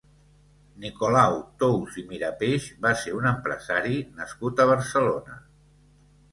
Nicolau Tous i Mirapeix va ser un empresari nascut a Barcelona.